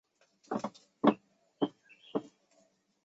这项交易对天使队事实上是有利的。